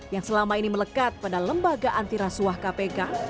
yang selama ini melekat pada lembaga antirasuah kpk